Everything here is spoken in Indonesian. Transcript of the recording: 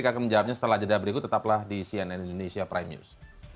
kita akan menjawabnya setelah jeda berikut tetaplah di cnn indonesia prime news